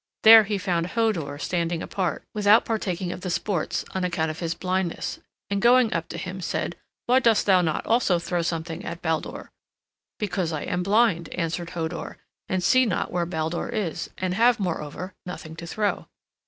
There he found Hodur standing apart, without partaking of the sports, on account of his blindness, and going up to him, said, "Why dost thou not also throw something at Baldur?" "Because I am blind," answered Hodur, "and see not where Baldur is, and have, moreover, nothing to throw."